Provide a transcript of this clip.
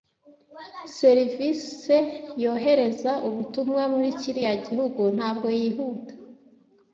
Serivise yohereza ubutumwa muri kiriya gihugu ntabwo yihuta.